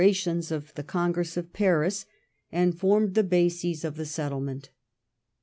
171 lions of the Congress of Paris, and formed the bases of the settlement.